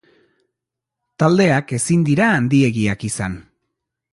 Taldeak ezin dira handiegiak izan.